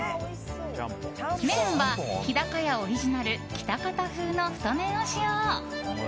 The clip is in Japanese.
麺は日高屋オリジナル喜多方風の太麺を使用。